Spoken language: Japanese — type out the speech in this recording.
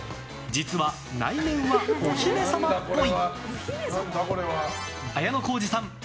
実は内面はお姫様っぽい。